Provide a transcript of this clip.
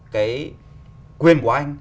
cái quyền của anh